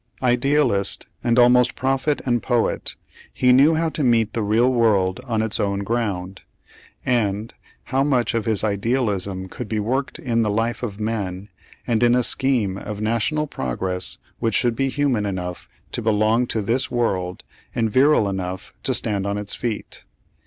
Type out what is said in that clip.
Idealist, and almost prophet and poet, he knew how to meet the real world on its ov/n ground, and how much of his idealism could be v/orked in the life of men and in a scheme of national progress which should be human enough to belong to this world, and virile enough to stand on its feet.